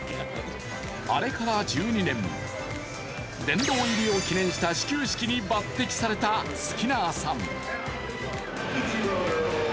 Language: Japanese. あれから１２年、殿堂入りを記念した始球式に抜てきされたスキナーさん。